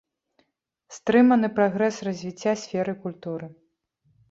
Стрыманы прагрэс развіцця сферы культуры.